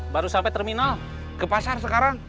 baru sampai terminal ke pasar sekarang